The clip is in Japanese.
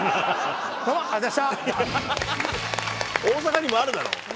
大阪にもあるだろ。